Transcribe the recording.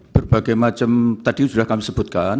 berbagai macam tadi sudah kami sebutkan